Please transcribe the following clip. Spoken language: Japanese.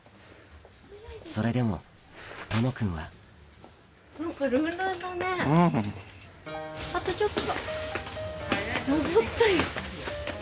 それでも殿くんは・うん・あとちょっと。